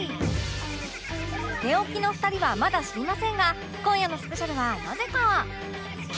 寝起きの２人はまだ知りませんが今夜のスペシャルはなぜか